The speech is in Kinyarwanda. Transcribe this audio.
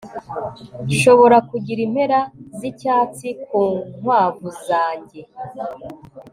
nshobora kugira impera z'icyatsi ku nkwavu zanjye